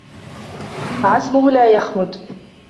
عزمهُ لا يخمدُ